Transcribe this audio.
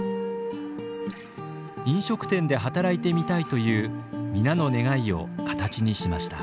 飲食店で働いてみたいという皆の願いを形にしました。